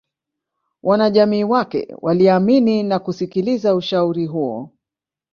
Wanajamii wake waliamini na kusikiliza ushauri huo